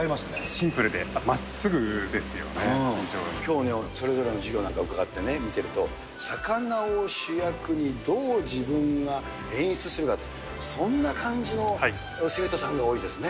シンプルでまっすぐですよね、きょうのそれぞれの授業を伺って見てると、魚を主役にどう自分が演出するか、そんな感じの生徒さんが多いですね。